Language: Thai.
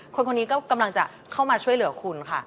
คนนี้ก็กำลังจะเข้ามาช่วยเหลือคุณค่ะ